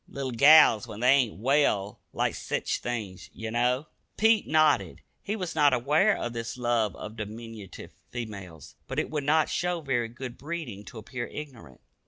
Little gals, when they ain't well, like sech things, ye know." Pete nodded. He was not aware of this love of diminutive females, but it would not show very good breeding to appear ignorant.